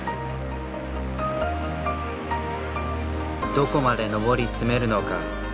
どこまで上り詰めるのか。